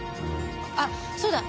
あっそうだ。